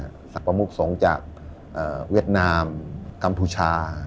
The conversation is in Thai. สรรประมุกสงฆ์จากเวียดนามกัมพูชา